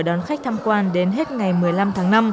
đón khách tham quan đến hết ngày một mươi năm tháng năm